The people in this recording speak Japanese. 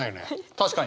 確かに！